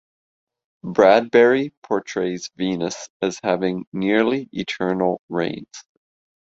Bradbury portrays Venus as having nearly eternal rains.